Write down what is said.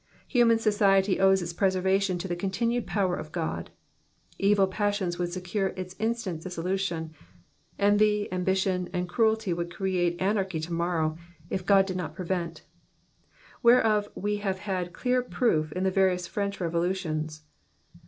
Human society owes its preservation to the continued power of God : evil passions would secure its instant dissolution ; envy, ambition, and cruelty would create anarchy to morrow, if God did not prevent ; whereof we have had clear proof in the various French revolutions.